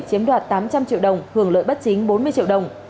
chiếm đoạt tám trăm linh triệu đồng hưởng lợi bất chính bốn mươi triệu đồng